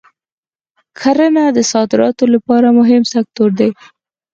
کرنه د صادراتو لپاره مهم سکتور دی.